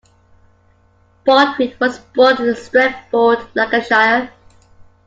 Baldwin was born in Stretford, Lancashire.